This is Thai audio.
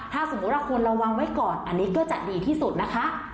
ถ้าสมมุติว่าควรระวังไว้ก่อนอันนี้ก็จะดีที่สุดนะคะ